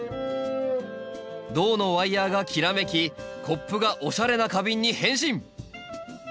銅のワイヤーがきらめきコップがおしゃれな花瓶に変身！